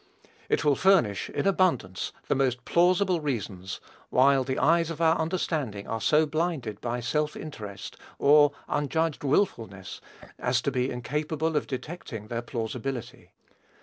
It will furnish, in abundance, the most plausible reasons; while the eyes of our understanding are so blinded by self interest or unjudged wilfulness, as to be incapable of detecting their plausibility.